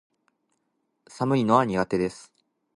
寒いのは苦手です